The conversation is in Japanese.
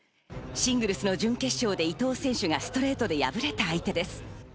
シングルスの準決勝で伊藤選手が敗れた相手です。